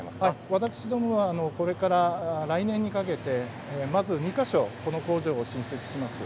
私どもはこれから来年にかけて２か所、工場を新設します。